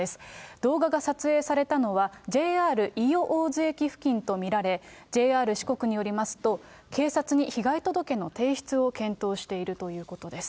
動画が撮影されたのはＪＲ伊予大洲駅付近と見られ、ＪＲ四国によりますと、警察に被害届の提出を検討しているということです。